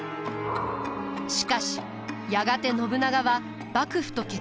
しかしやがて信長は幕府と決裂。